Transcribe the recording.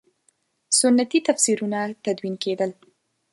سنتي تفسیرونه تدوین کېدل.